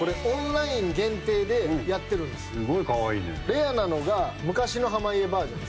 レアなのが昔の濱家バージョン。